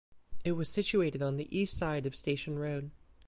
It was situated on the east side of Station Road.